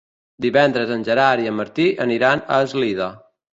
Divendres en Gerard i en Martí aniran a Eslida.